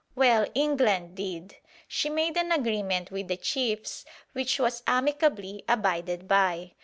Well, England did. She made an agreement with the chiefs which was amicably abided by.